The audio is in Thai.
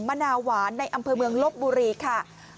มะนาวหวานในอำเภอเมืองลบบุรีค่ะ